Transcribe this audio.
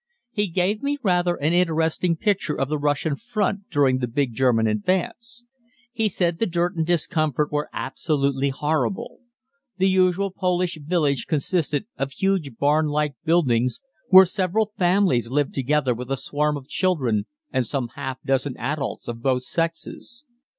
He gave me rather an interesting picture of the Russian front during the big German advance. He said the dirt and discomfort were absolutely horrible. The usual Polish village consisted of huge barn like buildings where several families lived together with a swarm of children and some half dozen adults of both sexes.